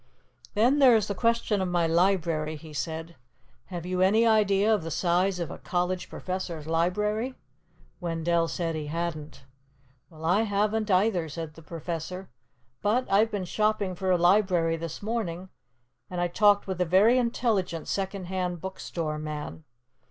"Then there is the question of my library," he said. "Have you any idea of the size of a college professor's library?" Wendell said he hadn't. "Well, I haven't either," said the Professor. "But I've been shopping for a library this morning, and I talked with a very intelligent second hand bookstore man.